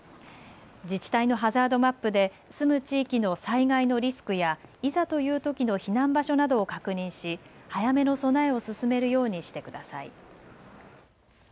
自治体のハザードマップで住む地域の災害のリスクやいざというときの避難場所などを確認し早めの備えを進めるようにしてください。